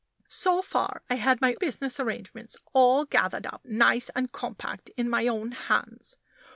So far I had my business arrangements all gathered up nice and compact in my own hands.